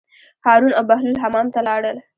هارون او بهلول حمام ته لاړل.